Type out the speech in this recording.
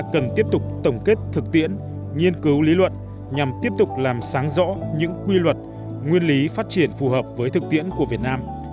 cần tiếp tục tổng kết thực tiễn nghiên cứu lý luận nhằm tiếp tục làm sáng rõ những quy luật nguyên lý phát triển phù hợp với thực tiễn của việt nam